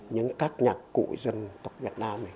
những các nhạc cụ dân tộc việt nam này